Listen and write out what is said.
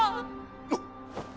あっ！